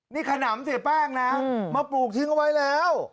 นี่ขนำเสียแป้งนะมาปลูกทิ้งเอาไว้แล้ว